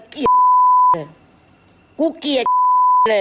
กูแบบเลย